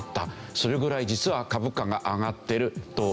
それぐらい実は株価が上がってるというわけです。